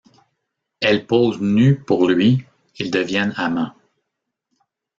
Elle pose nue pour lui, ils deviennent amants.